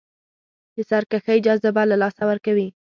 د سرکښۍ جذبه له لاسه ورکوي.